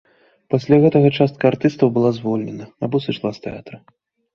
Пасля гэтага часта артыстаў была звольнена або сышла з тэатра.